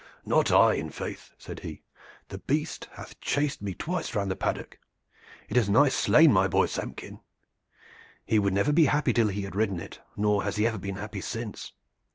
"Not I, in faith!" said he. "The beast hath chased me twice round the paddock; it has nigh slain my boy Samkin. He would never be happy till he had ridden it, nor has he ever been happy since.